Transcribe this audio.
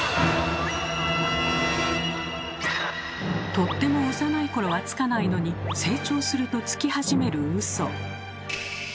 とっても幼いころはつかないのに成長するとつきはじめるウソ。